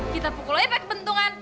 kita pukul lo ya pada kepentungan